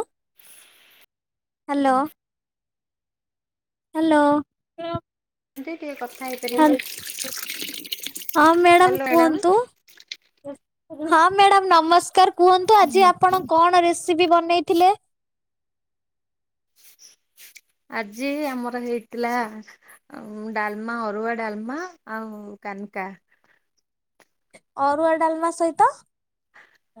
ଆଁ। Hello. Hello. ଏମିତି ଟିକେ କଥା ହେଇ ହାଲ ହଁ ମ୍ୟାଡ଼ାମ କୁହନ୍ତୁ। ହଁ ମ୍ୟାଡ଼ାମ ନମସ୍କାର କୁହନ୍ତୁ। ଆଜି ଆପଣ କଣ ରେସ୍ ସିପି ବନେଇଥିଲେ? ଆଜି ଆମର ହେଇଥିଲା ଆଉ ଡାଲମା ଅରୁଆ ଡାଲମା ଆଉ କାନିକା। ଅରୁଆ ଡାଲମା ସହିତ?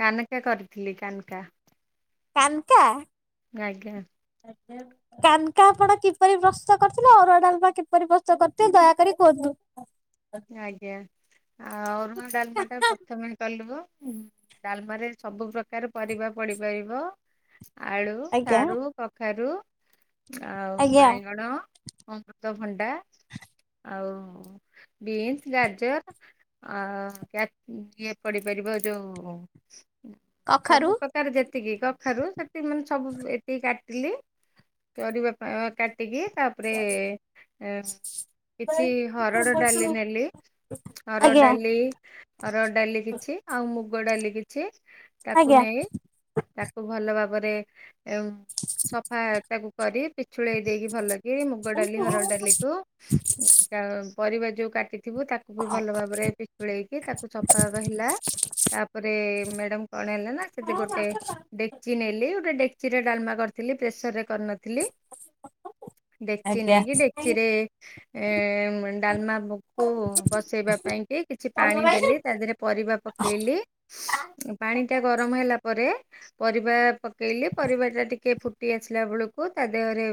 କାନିକା କରିଥିଲି କାନକା। କାନ୍କା? ଗା ଆଜ୍ଞା। ଆଛ କାନକା ଆପଣ କିପରି ପ୍ରସ୍ତୁତ କରିଥିଲେ ଅରୁଆ ଡାଲମା କିପରି ପ୍ରସ୍ତୁତ କରିଥିଲେ ଦୟାକରି କୁହନ୍ତୁ। ଆଜ୍ଞା ଆଉ ଅରୁଣ ଡାଲମାଟା ପ୍ରଥମେ କଲୁ ଡାଲମରେ ସବୁ ପ୍ରକାର ପରିବା ପଡିପାରିବ ଆଳୁ ଆଜ୍ଞା ସାରୁ କଖାରୁ ଆଉ ଆଜ୍ଞା ବାଇଗଣ ଅମୃତଭଣ୍ଡା ଆଉ ବିନ୍ସ ଗାଜର ଆ ଇଏ ପଡିିପାରିବ ଯୋଉ କଖାରୁ ସବୁ ପ କାରେ ଯେତିକି କଖାରୁ ସେତିକ ମାନେ ସବୁ ଏତିକି କାଟିଲି। ପରିବା ପ କାଟିକି ତାପରେ କିଛି ହରଡ଼ ଡ଼ାଲି ନେଲି ହରଡ଼ ଆଜ୍ଞା ଡାଲି ହରଡ ଡାଲି କିଛି ଆଉ ମୁଗ ଡାଲି କିଛି ତାକୁ ଆଜ୍ଞା ନେଇ ତାକୁ ଭଲ ଭାବରେ ଏମ୍ ସଫା ତାକୁ କରି ପିଛୁଳେଇ ଦେଇକି ଭଲ କି ମୁଗ ଡାଲି ହରଡ଼ ଡାଲିକୁୁ କା ପରିବା ଯୋଉ କାଟିଥିବୁ ତାକୁ ବି ଭଲ ଭାବରେ ଗୋଳେଇକି ତାକୁ ଚଫା ରହିଲା ତାପରେ ମ୍ୟାଡ଼ାମ କଣ ହେଲା ନା ସେଠି ଗୋଟେ ଡେକ୍ଚି ନେଲି ଗୋଟେ ଡେକ୍ଚିରେ ଡାଲମା କରିଥିଲି ପ୍ରେସର ରେ କରିନ ଥିଲି ଡେକ୍ଚି ଆଜ୍ଞା ନେଇକି ଡେକ୍ଚିରେ ଏମ୍ ଡାଲମାକୁ ବସେଇବା ପାଇଁ କି କିଛି ପାଣି ଦେଲି। ତା ଦେହରେ ପରିବା ପକେଇଲି ପାଣି ଟା ଗରମ ହେଲା ପରେ ପରିବା ପକ ପକେଇଲି ପରିବାର ଟା ଟିକେ ଫୁଟି ଆସିଲା ବେଳକୁ ତା ଦେହରେ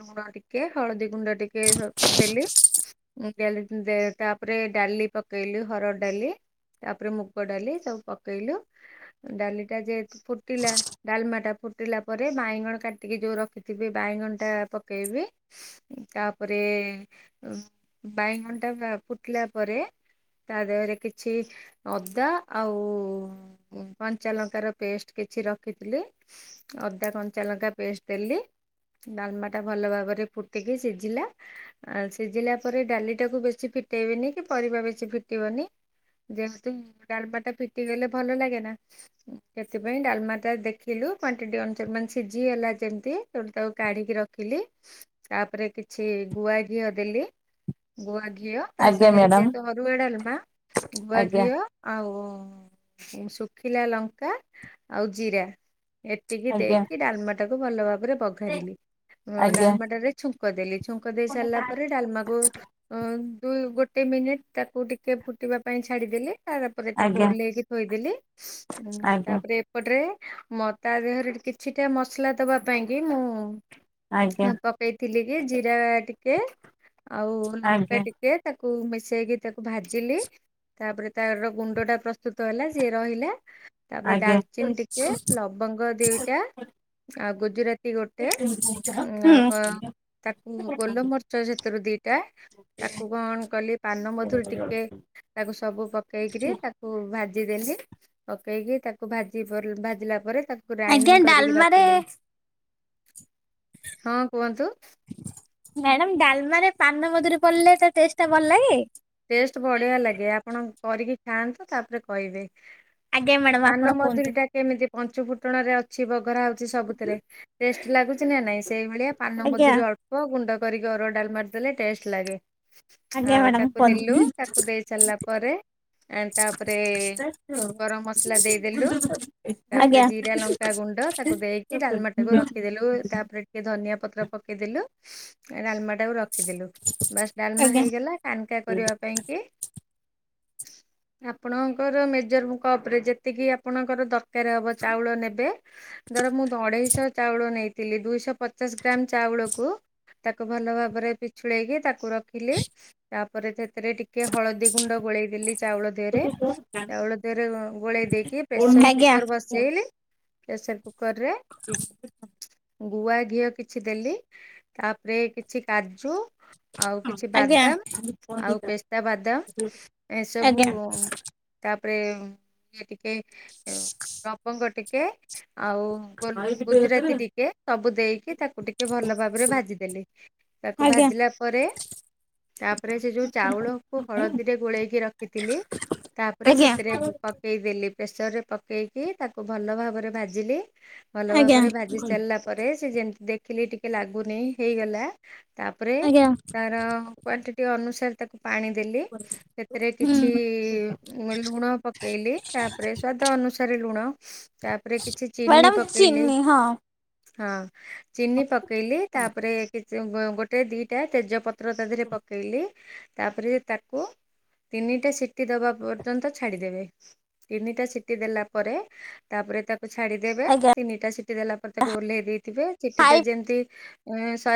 ଲୁଣ ଟିକେ ହଳଦୀ ଗୁଣ୍ଡ ଟିକେ ସବ୍ ଦେଲି। ଦେଲି ଦେ ତାପରେ ଡାଲି ପକେଇଲି ହରଡ଼ ଡାଲି। ତାପରେ ମୁଗ ଡାଲି ସବୁ ପକେଇଲୁ ଡାଲିଟା ଯେହେତୁ ଫୁଟିଲା ଡଲମାଟା ଫୁ ଫୁଟିଲା ପରେ ବାଇଗଣ କାଟିକି ଯୋଉ ରଖିଥିବି ବାଇଗଣ ଟା ପକେଇବି ତାପରେ ଉ ବାଇଗଣଟା ଫୁଟିଲା ପରେ ତା ଦେହରେ କିଛି ଅଦା ଆଉ କଞ୍ଚାଲଙ୍କାର ପେଷ୍ଟ କିଛି ରଖିଥିଲି। ଅଦା କଞ୍ଚା ଲଗା ପେଷ୍ଟ ଦେଲି ଡାଲମା ଟା ଭଲ ଭାବରେ ଫୁଟିକି ସିଝିଲା ସିଝିଲା ପରେ ଡାଲି ଟା କୁ ବେଶୀ ଫିଟେଇବେନି କି ପରିବା ବେଶୀ ଫିଟିବନି ଯେମିତି, ଡାଲମା ଟା ଫିଟି ଗଲେ ଭଲ ଲାଗେ ନା। ସେଥିପାଇଁ ଡାଲମାଟା ଦେଖିଲୁ, କ୍ୱାଣ୍ଟିଟି ଅନୁସାରେ ମାନେ ସିଝିଗଲା ଯେମିତି, ତେଣୁ ତାକୁ କାଢ଼ିକି ରଖ ଖିଲି। ତା'ପରେ କିଛି ଗୁଆ ଘିଅ ଦେଲି। ଗୁଆ ଘିଅ ତା ଆଜ୍ଞା ସାଙ୍ଗରେ ମ୍ୟାଡ଼ାମ ଯେହେତୁ, ଅରୁଆ ଡାଲମା, ଗୁଆ ଆଜ୍ଞା ଘିଅ ଆଉ-ଉଁ-ଉଁ, ଶୁଖିଲା ଲଙ୍କା ଆଉ ଜିରା। ଏତିକି ଆଜ୍ଞା ଦେଇକି ଡାଲମାଟାକୁ ଭଲ ଭାବରେ ବଘାରିଲି। ଆଜ୍ଞା ଡାଲମାଟାରେ ଛୁଙ୍କ ଦେଲି। ଛୁଙ୍କ ଦେଇ ସାରିଲା ପରେ, ଡାଲମାକୁ ଅ ଦୁ ଗୋଟେ ମିନିଟ୍ ତାକୁ ଟିକେ ଫୁଟିବା ପାଇଁ ଛାଡ଼ିଦେଲେ। ତା'ପରେ ତାକୁ, ଆଜ୍ଞା ଓହ୍ଲେଇକି ଥୋଇଦେଲି। ଉଁ ଆଜ୍ଞା ତା'ପରେ ଏପଟରେ ମ ତା, ଦେହରେ କିଛିଟା ମସଲା ଦବା ପାଇଁ କି ମୁଁ ଆଜ୍ଞା ହଁ, ପକେଇଥିଲି କି ଜିରା ଟିକେ ଆଉ ଲଙ୍କା ଆଜ୍ଞା ଟିକେ, ତାକୁ ମିଶେଇକି ତାକୁ ଭାଜିଲି। ତା'ପରେ ତାର ଗୁଣ୍ଡ ଟା ପ୍ରସ୍ତୁତ ହେଲା। ସିଏ ରହିଲା। ତା'ପରେ ଆଜ୍ଞା। ଡାଲଚିନି ଟିକେ, ଲବଙ୍ଗ ଦିଟା, ଆଉ ଗୁଜୁରା ତି ଗୋଟେ, ହୁଁ ତାକୁ ଗୋଲମରି ଚ ସେଥିରୁ ଦିଟା। ତାକୁ କଣ କଲି? ପାନ ମଧୁରୀ ଟିକେ ତାକୁ ସବୁ ପକେଇକିରି, ତାକୁ ଭାଜିଦେଲି। ପକେଇକି, ତାକୁ ଭାଜିପ ଭାଜିଲା ପରେ ତାକୁ ଆଜ୍ଞା ଗ୍ରାଇଣ୍ଡିଙ୍ଗ୍ କରିକି ଡାଲମାରେ ରଖିଲି। ହଁ, କୁହନ୍ତୁ। ମ୍ୟାଡାମ୍ ଡାଲମାରେ ପାନ ମଧୁରୀ ପଡ଼ିଲେ ତା ଟେଷ୍ଟ ଟା ଭଲ ଲାଗେ! ଟେଷ୍ଟ ବଢିଆ ଲାଗେ। ଆପଣ କରିକି ଖାଆନ୍ତୁ ତା'ପରେ କହିବେ। ଆଜ୍ଞା ମ୍ୟାଡାମ ଆପଣ କୁହନ୍ତୁ। ପାନମଧୁରୀ ଟା କେମିତି? ପଞ୍ଚୁ ଫୁଟଣ ରେ ଅଛ୍ ସିଏ ବଘରା ହଉଛି, ସବୁଥିରେ ଟେଷ୍ଟ ଲାଗୁଛି ନା ନାଇଁ। ସେଇଭଳିଆ ଆଜ୍ଞା ପାନମଧୁରି ଅଳ୍ପ ପ ଗୁଣ୍ଡ କରିକି ଅରୁଆ ଡାଲମାରେ ଦେଲେ ଟେଷ୍ଟ ଲାଗେ। ଆଜ୍ଞା ଆଉ ମ୍ୟାଡ଼ାମ୍। ତାକୁ ଦେଲୁ, ତାକୁ ଦେଇ ସାରିଲା ପରେ ଆନ୍ ତା'ପରେ ଗରମ ମସଲା ଦେଇଦେଲୁ। ତା'ପରେ ଆଜ୍ଞା ଆଜ୍ଞା ଜିରା ଲଙ୍କ୍ ଙ୍କା ଗୁଣ୍ଡ ତାକୁ ଦେଇକି ଡାଲମାଟାକୁ ରଖିଦେଲୁ। ତା'ପ ରେ ଟିକେ ଧନିଆ ପତ୍ର ପକେଇଦେଲୁ। ଡାଲମା ଟାକୁ ରଖିଦେଲୁ ବାସ୍ ଡାଲମା ଆଜ୍ଞା ହେଇଗଲା। ଆନ୍କା କରିବା ପାଇଁ କି? ଆପଣଙ୍କର ମେଜର କପ୍ ରେ, ଯେତିକି ଆପଣଙ୍କର ଦର୍ କାରେ ହବ, ଚାଉଳ ନେବେ। ଧର ମୁଁ ଅଢ଼େଇଶ ଚାଉଳ ନେଇ ଥିଲି। ଦୁଇଶହ ପଚାଶ ଗ୍ରାମ ଚାଉଳକୁ ତାକୁ, ଭଲ ଭାବରେ ପିଛୁଳେଇକି ତାକୁ ରଖିଲି। ପରେ ସେଥିରେ ଟିକେ ହଳଦୀ ଗୁଣ୍ଡ ଗୋଳେଇ ଦେଲି। ଚାଉଳ ଦେହରେ, ଚାଉଳ ଦେହରେ ଗ-ଗୋଳେଇ ଦେଇକି। ପ୍ରେସର ଆଜ୍ଞା କୁକର ବସ୍ ଚେଇଲି। ପ୍ରେସର କୁକର ରେ ଗୁଆ ଘିଅ କିଛି ଦେଲି। ତା'ପରେ କିଛି କାଜୁ ଆଉ, କିଛି ଆଜ୍ଞା ବାଦାମ୍ ଆଉ ପେସ୍ତା ବାଦାମ୍। ଏଁ ସବୁ ଆଜ୍ଞା ଆଜ୍ଞା ତା'ପରେଁ ଏ ଟିକେ, ଲବଙ୍ଗ ଟିକେ ଆଉ ଗୋଲ ଗୁଜୁରାତି ଟିକେ ସବୁ ଦେଇକି, ତାକୁ ଟିକେ ଭଲ ଭାବରେ ଭାଜିଦେଲି। ତାକୁ ଆଜ୍ଞା। ଭାଜିଲା ପରେ ତା'ପରେ ସେ ଯୋଉ ଚାଉଳକୁ ହଳଦୀରେ ଗୋଳେଇକି ରଖିଥିଲି। ତା, ପରେ ସେଥିରେ [unintelligible] ପକେଇଦେଲି ପ୍ରେସର୍ ରେ ପକେଇକି, ତାକୁ ଭଲ ଭାବରେ ଭାଜିଲି। ଭଲ ଭାବରେ ଭାଜି ସାରିଲା ପରେ, ସେ ଯେମିତି ଦେଖିଲି ଟିକେ ଲାଗୁନେଇ ହେଇଗଲା ତା'ପରେ ଆଜ୍ଞା ତାର କ୍ଵାନ୍ଟିଟି ଅନୁସାରେ ତାକୁ, ପାଣି ଦେଲି। ସେଥିରେ ହୁଁ କିଛି ଲୁଣ ପକେଇଲି। ତା'ପରେ ସ୍ଵାଦ ଅନୁସାରେ ଲୁଣ। ତାପରେ କିଛି ଚିନି ମ୍ୟାଡାମ ପକେଇଲି। ଚିନି ହଁ ହଁ ଚିନି ପକେଇଲି। ତାପରେ କି ଗୋଟେ ଦିଟା ତେଜପତ୍ ତ୍ର ତା ଦେହରେ ପ କେଇଲି। ତାପରେ ତାକୁ ତିନିଟା ସିଟି ଦବା ପର୍ଯ୍ୟନ୍ତ ଛାଡିଦେବେ। ତିନିଟା ସିଟି ଦେଲା ପରେ ତାପରେ ତାକୁ ତାକୁ ଛାଡିଦେବେ। ଆଜ୍ଞା। ତିନିଟା ସିଟି ଦେଲା ପରେ ତାକୁ ଓହ୍ଲେଇ ଦେଇଥିବେ। ସିଟି ହାଇ ଟା ଯେମତି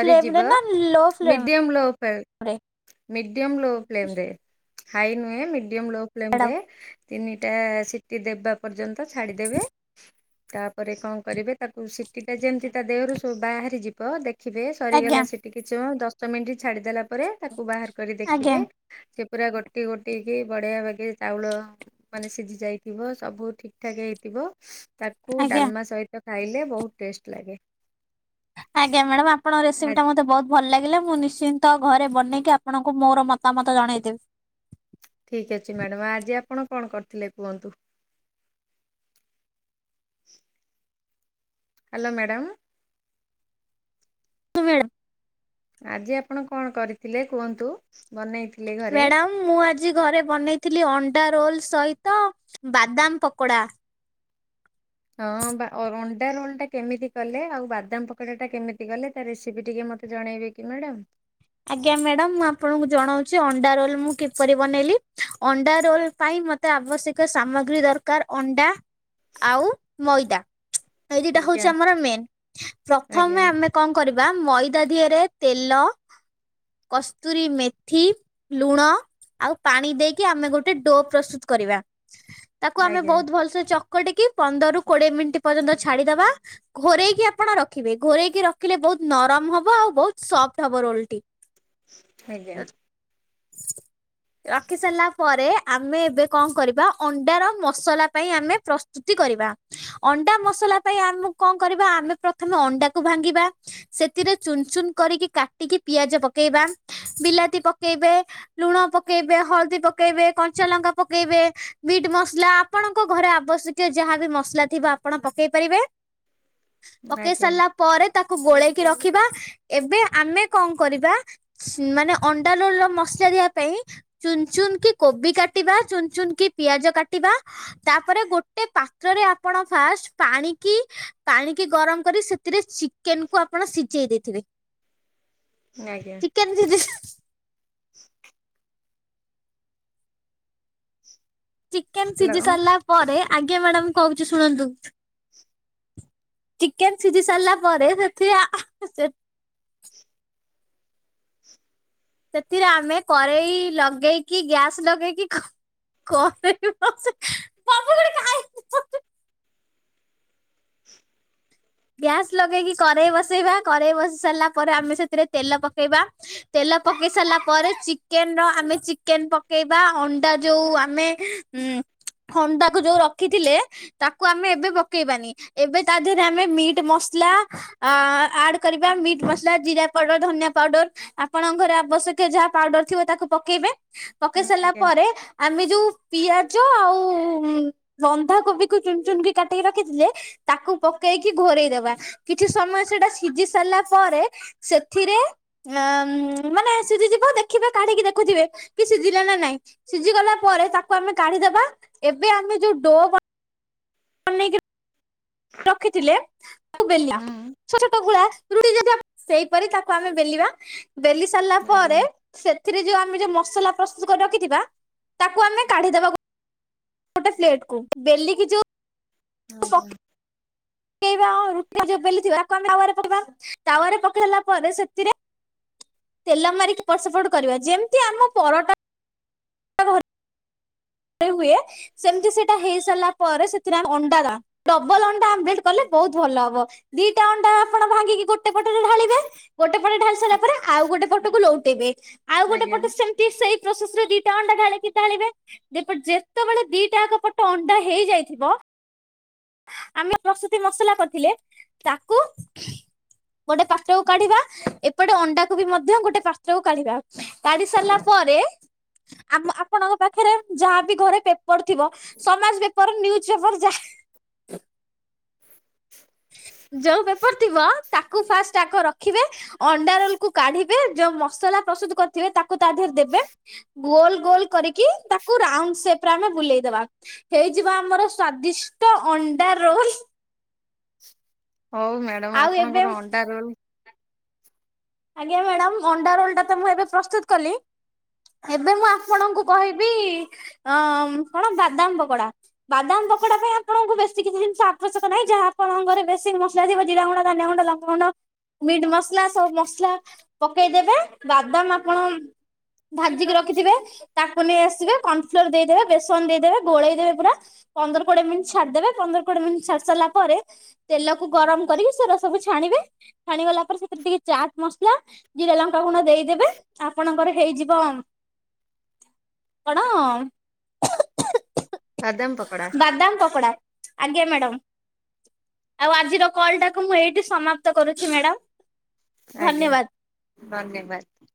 ଫ୍ଲେମ ରେ ନା low flame medium low ଫ୍ଲେ [unintelligible] medium low flame ରେ ହାଇ ନୁହେଁ ମିଡିୟମ ଲୋ ଫ୍ଲେମ୍ ମ୍ୟାଡାମ ରେ ତିନିଟା ସିଟି ଦେବା ପର୍ଯ୍ୟନ୍ତ ଛାଡ଼ିଦେବେ ତାପରେ କଣ କରିବେ ତାକୁ ସିଟି ଟା ଯେମିତି ତା ଦେହରୁ ସବୁ ବାହାରି ଯିବ ଦେଖିବେ ଆଜ୍ଞା ସରିଗଲା ସି ଟିକିଚ ଦଶ ମିଣ୍ଟି ଛାଡିଦେଲା ପରେ ତାକୁ ବାହାର କରି ଆଜ୍ଞା ଦେଖିବେ ସେ ପୁରା ଗୋଟି ଗୋଟି କି ବଢିଆ ବାଗେରେ ଚାଉଳ ମାନେ ସିଝି ଯାଇଥିବ ସବୁ ଠିକ୍ ଠାକ୍ ହେଇଥିବ। ତାକୁ ଆଜ୍ଞା। ଡାଲ୍ମା ସହିତ ଖାଇଲେ ବହୁତ୍ ଟେଷ୍ଟ ଲାଗେ। ଆଜ୍ଞା ମାଡାମ୍ ଆପଣ ଆ ରେସିପି ଟା ମତେ ବହୁତ୍ ଭଲ ଲାଗିଲା। ମୁଁ ନିଶ୍ଚିନ୍ତ ଘରେ ବନେଇକି ଆପଣଙ୍କୁ ମୋର ମତାମତ ଜଣେଇଦେବି। ଠିକ୍ ଅଛି ମ୍ୟାଡ଼ାମ। ଆଜି ଆପଣ କଣ କରିଥିଲେ କୁହନ୍ତୁ? Hello madam. [unintelligible] ଆଜି ଆପଣ କଣ କରିଥିଲେ କୁହନ୍ତୁ ବନେଇଥିଲେ ଘରେ? ମ୍ୟାଡାମ ମୁଁ ଆଜି ଘରେ ବନେଇଥିଲି ଅଣ୍ଡା ରୋଲ ସହିତ ବାଦାମ ପକୋଡା। ହଁ ଅମ୍ବା ଅଣ୍ଡା ରୋଲ୍ ଟା କେମିତି କଲେ ଆଉ ବାଦାମ ପକୋଡା ଟା କେମିତି କଲେ ତା ରେସିପି ଟିକେ ମତେ ଜଣେଇବେ? କି ମ୍ୟାଡ଼ାମ୍। ଆଜ୍ଞା ମ୍ୟାଡ଼ାମ ମୁଁ ଆପଣଙ୍କୁ ଜଣଉଚି ଅଣ୍ଡା ରୋଲ ମୁଁ କିପରି ବନେଇଲି? ଅଣ୍ଡା ରୋଲ ପାଇଁ ମତ୍ ତେ ଆବଶ୍ୟକ ସାମଗ୍ରୀ ଦରକାର ଅଣ୍ଡା ଆଉ ମଇଦା ଏଇ ଦିଟା ଆଜ୍ଞା ହଉଛି ଆମର ମେନ୍। ଆଜ୍ଞା ପ୍ରଥମେ ଆମେ କଣ କରିବା ମଇଦା ଦିହରେ ତେଲ କସ୍ତୁରୀ ମେଥି, ଲୁଣ ଆଉ ପାଣି ଦେଇକି ଆମେ ଗୋଟେ ଡୋ ପ୍ରସ୍ତୁତ କରିବା। ତାକୁ ଆମେ ଆଜ୍ଞା ବହୁତ୍ ଭଲସେ ଚ ଚକଟିକି ପନ୍ଦରରୁ କୋଡିଏ ମିନିଟ୍ ପର୍ଯ୍ୟନ୍ତ ଛାଡିଦବା। ଘୋରେଇକି ଆପଣ ରଖିବେ। ଘୋରେଇକି ରଖିଲେ ବହୁତ ନରମ ହବ ଆଉ ବହୁତ ସଫ୍ଟ ହବ। ମୋର ରୋଲ୍ ଟି। ଆଜ୍ଞା [unintelligible] ରଖି ସାରିଲା ପରେ ଆମେ ଏବେ କଣ କରିବା ଅଣ୍ଡାର ମସଲା ପାଇଁ ଆମେ ପ୍ରସ ପ୍ରସ୍ତୁତି କରିବା। ଅଣ୍ଡା ମସଲା ପାଇଁ ଆମକୁ କଣ କରିବା ଆମେ ପ୍ରଥମେ ଅଣ୍ଡାକୁ ଭାଙ୍ଗିବା ସେଥିରେ ଚୁନ ଚୁନ କରିକି କାଟିକି ପିଆଜ ପକେଇବା ବିଲାତି ପକେଇବେ। ଲୁଣ ପକେଇବେ, ହଳଦୀ ପକେଇବେ, କଞ୍ଚାଲଙ୍କା ପକେଇବେ। ମିଟ୍ ମସଲା ଆପଣଙ୍କ ଘରେ ଆବଶ୍ୟକୀୟ ଯାହାବି ମସଲା ଥିବ ଆପଣ ପକେଇପାରିବେ। ପକେଇ ଆଜ୍ଞା ସାରିଲା ପରେ ତାକୁ ଗୋଳେଇକି ରଖିବା। ଏବେ ଆମେ କଣ କରିବା ମାନେ ଅଣ୍ଡା ରୋଲ୍ ର ମସାଲ ଦେବା ପାଇଁ ଚୁନଚୁନ କି କୋବି କାଟିବା ଚୁନଚୁନ କି ପିଆଜ କାଟିବା। ତାପରେ ଗୋଟେ ପାତ୍ରରେ ଆପଣ ଫାଷ୍ଟ ପାଣି କିି ପାଣିକି ଗରମ କରି ସେଥିରେ ଚିକେନ କୁ ଆପଣ ସିଝେଇ ଦେଇଥିବେ। ଆଜ୍ଞା। ଚିକେନ୍। [unintelligible] [inaudible] ଚିକେନ ସିଝି ହ୍ୟାଲୋ ସାରିଲା ପରେ ଆଜ୍ଞା ମ୍ୟାଡାମ କହୁଚି ଶୁଣନ୍ତୁ। ଚିକେନ ସିଝି ସାରିଲା ପରେ ସେଥିରେ। [unintelligible] ସେଥିରେ ଆମେ କରେଇ ଲଗେଇକି ଗ୍ୟାସ୍ ଲଗେଇକି କରେଇ। [unintelligible] [inaudible] ଗ୍ୟାସ୍ ଲଗେଇକି କରେଇ ବସେଇବା କରେଇ ବସି ସାରିଲା ପରେ ଆମେ ସେଥିରେ ତେଲ ପକେଇବା। ତେଲ ପକେଇ ସାରିଲା ପରେ ଚିକେନର ଆମେ ଚିକେନ ପକେଇବା ଅଣ୍ଡା ଯୋଉ ଆମେ ଉଁ ଅଣ୍ଡାକୁ ଯୋଉ ରଖିଥିଲେ। ତାକୁ ଆମେ ଏବେ ପକେଇବାନି ଏବେ ତା ଦେହରେ ଆମେ ମିଟ୍ ମସଲା ଆଡ କରିବା ମିଟ୍ ମସଲା ଜିରା ପାଉଡର ଧନିଆ ପାଉଡର। ଆପଣଙ୍କରଘରେ ଆବଶ୍ୟକୀୟ ଯାହା ପାଉଡର ଥିବ ତାକୁ ପକେଇବେ ପକେଇ ସାରିଲା ଆଜ୍ଞା ପରେ ଆମେ ଯୋଉ ପିଆଜ ଆଉ ବନ୍ଧା କୋବିକୁୁ ଚୁନ ଚୁନ କି କାଟିକି ରଖିଥିଲେ ତାକୁ ପକେ ପକେଇକି ଘୋରେଇଦବା କିଛି ସମୟ ସେଟା ସିଝି ସାରିଲା ପରେ ସେଥିରେ- ନା ଉଁ ମାନେ ସିଝି ଯିବ ଦେଖିବେ କାଢିକି ଦେଖୁଥିବେ କି ସିଝିଲା ନା ନାଇଁ ସିଝି ଗଲା ପରେ ତାକୁ ଆମେ କାଢିଦବା। ଏବେ ଆମେ ଯୋଉ ଡୋ ବନେ ବନେଇ କି ରଖିଥିଲେ ତାକୁ ବେଲିଆ ହୁଁ ଛୋଟ ଛୋଟ ଗୁଳା [unintelligible] [inaudible] ସେଇପରି ତାକୁ ଆମେ ବେଲିବା ବେଲି ସାରିଲା ଆଜ୍ଞା ପରେ ସେଥିରେ ଯୋଉ ଆମେ ଯୋଉ ମସଲା ପ୍ରସ୍ତୁତ କରି ରଖିଥିବା। ତାକୁ ଆମେ କାଢିଦେବାଗୋଟେ। ଗୋଟେ ପେଲ୍ଟକୁ ବେଲ କି ଯୋଉ ଆଜ୍ଞା। ବେଲି ପକେଇବା ତାୱରେ ପକେଇଲା ପରେ ସେଥିରେ ତେଲ ମାରିକି ଏପଟସେପଟ କରିବା ଯେମିତି ଆମ ପରଟା [inaudible] ଯେମିତି ହୁଏ ସେମତି ସେଇଟା ହେଇ ସାରିଲା ପରେ ସେଥିରେ ଆମେ ଅଣ୍ଡା ଦେବା। ଡବଲ ଅଣ୍ଡା ଆବ୍ଲେଟେ କଲେ ବହୁତ ଭଲ ହବ। ଦିଟା ଅଣ୍ଡା ଆପଣ ଭାଙ୍ଗି କି ଗୋଟେ- ଗୋଟେ ପଟରେ ଢାଲିବେଗୋଟେ ପଟ ଢାଳି ସାରିଲା ପରେ ଆଉ ଗୋଟେ ପଟକୁ ଲଉଟେଇବେ। ଆଉ ଗୋଟେ ଆଜ୍ଞା। ପଟ ସେମିତି ସେଇ ପ୍ରୋସେସ ଦିଟା ଅଣ୍ଡା ଢାଲିବେ। ଏପଟ ଯେତେବେଳେ ଦିଟା ଆଗପଟ ଅଣ୍ଡା ହେଇଯାଇଥିବ। ଆମେ ପ୍ରସୂତି ମସଲା କରିଥିଲେ ତାକୁ, ଗୋଟେ ପାତ୍ରକୁ କାଢିବା। ଏପଟେ ଅଣ୍ଡାକୁ ବି ମଧ୍ୟ ଗୋଟେ ପାତ୍ରକୁ କାଢିବା। କାଢି ସାରିଲା ପରେ, ଆମେ ଆପଣଙ୍କ ପାଖରେ- ଯାହାବି ଘରେ ପେପର ଥିବ ସମାଜ ପେପର ନିଉଜୁ ପେପର ଯାହା [inaudible] ଯୋଉ ପେପର ଥିବ ତାକୁ ଫାଷ୍ଟ ଆଗ ରଖିବେ ଅଣ୍ଡା ରୋଲ [inaudible] କୁ କାଢିକି, ଯୋଉ ମସଲା ପ୍ରସ୍ତୁତ କରିଥିବେ, ତାକୁ ତା ଦେହରେ ଦେବେ। ଗୋଲ ଗୋଲ କରିକି, ତା କୁ ରାଉଣ୍ଡ ସେପରେ ଆମେ ବୁଲେଇଦବା। ହେଇଯିବ ଆମର ସ୍ଵାଦିଷ୍ଟ ଅଣ୍ଡା ରୋଲ। ହଉ ମ୍ୟାଡାମ। ଆଉ ଏବେ ଆପଣଙ୍କର ଅଣ୍ଡା ରୋଲ୍ ଆଜ୍ଞା ମ୍ୟାଡାାମ। ଅଣ୍ଡା ରୋଲ ଟା ତ ମୁଁ ଏବେ ପ୍ରସ୍ତୁତ କଲି। ଏବେ ମୁଁ ଆପଣଙ୍କୁ କହି ବି କଣ ବାଦାମ ପକୋଡା। ବାଦାମ ପକୋଡା ପାଇଁ ଆପଣଙ୍କୁ ବେଶୀ କିଛିି କିଛି ଜିନିଷ ଆବଶ୍ୟକ ନାହିଁ। ଯାହା ଆପଣଙ୍କ ଘରେ ବେଶୀ ମସଲା ଥିବ ଜିରା ଗୁଣ୍ଡ, ଧନିଆ ଗୁଣ୍ଡ, ଲଙ୍କାଗୁଣ୍ଡ, ମିଟ୍ ମସଲା ସବୁ ମସଲା ପକେଇଦବେ। ବାଦାମ ଆପଣ ଭାଜିିକି ରଖିଥିବେ। ତାକୁ ନେଇ ଆସିବେ। କର୍ଣଫ୍ଲୋର ଦେଇଦେବେ, ବେସନ ଦେଇଦେବେ, ଗୋଳେଇଦବେ ପୁରା। ପନ୍ଦର, କୋଡିଏ ମିନିଟ୍ ଛାଡିଦେବେ। ପନ୍ଦର, କୋଡିଏ ମିନିଟ ଛାଡି ସାରିଲା ପରେ, ତେଲକୁ ଗରମ କରିକି ସେରା ସବୁ ଛାଣିବେ। ଛାଣି ଗଲା ପରେ ସେଥିରେ ଟିକେ ଚାଟ ଟ୍ ମସଲା, ଜିରା, ଲଙ୍କା ଗୁଣ୍ଡ ଦେଇଦେବେ। ଆପଣଙ୍କର ହେଇଯିବ। କଣ? କଣ? ବାଦାମ ପକୋଡ଼ା। ବାଦାମ ପକୋଡ଼ା। ଆଜ୍ଞା ମ୍ୟାଡ଼ାମ। ଆଉ ଆଜିର କଲ୍ ଟାକୁ ମୁଁ ଏଇଠି ସମାପ୍ତ କରୁଛି ମ୍ୟାଡାମ। ଆଜ୍ଞା। ଧନ୍ୟବାଦ। ଧନ୍ୟବାଦ।